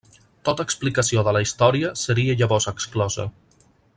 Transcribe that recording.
Tota explicació de la història seria llavors exclosa.